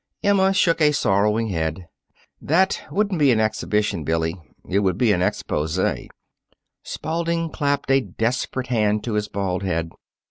Emma shook a sorrowing head. "That wouldn't be an exhibition, Billy. It would be an expose." Spalding clapped a desperate hand to his bald head.